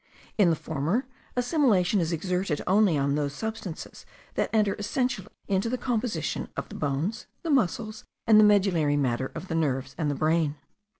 In the former, assimilation is exerted only on those substances that enter essentially into the composition of the bones, the muscles, and the medullary matter of the nerves and the brain.